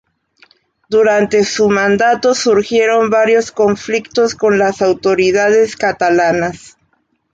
Durante su mandato surgieron varios conflictos con las autoridades catalanas.